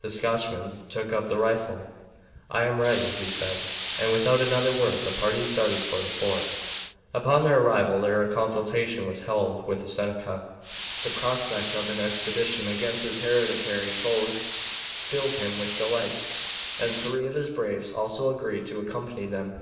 The Scotchman took up the rifle. "I am ready," he said, and without another word the party started for the fort. Upon their arrival there a consultation was held with the Seneca. The prospect of an expedition against his hereditary foes filled him with delight, and three of his braves also agreed to accompany them.